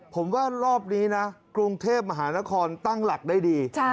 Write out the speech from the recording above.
ผมว่ารอบนี้นะกรุงเทพมหานครตั้งหลักได้ดี